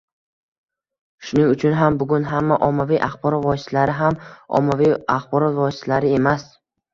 Shuning uchun ham bugun hamma ommaviy axborot vositalari ham ommaviy axborot vositalari emas